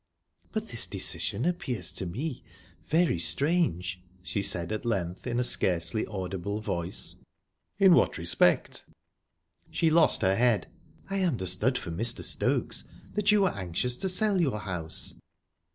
"But this decision appears to me very strange," she said at length, in a scarcely audible voice. "In what respect?" She lost her head. "I understood from Mr. Stokes that you were anxious to sell your house."